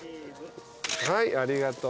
はいありがとう。